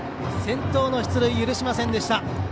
先頭の出塁を許しませんでした。